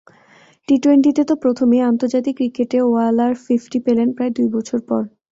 টি-টোয়েন্টিতে তো প্রথমই, আন্তর্জাতিক ক্রিকেটে ওয়ালার ফিফটি পেলেন প্রায় দুই বছর পর।